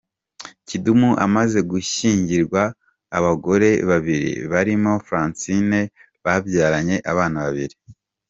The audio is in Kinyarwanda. Kidum amaze gushyingirwa abagore babiri barimo Francine babyaranye abana babiri.